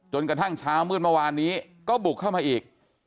กระทั่งเช้ามืดเมื่อวานนี้ก็บุกเข้ามาอีก